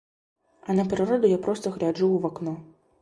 А на прыроду я проста гляджу ў вакно.